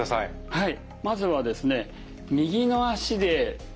はい。